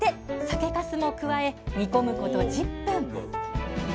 酒かすも加え煮込むこと１０分。